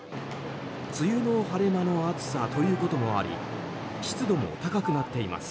梅雨の晴れ間の暑さということもあり湿度も高くなっています。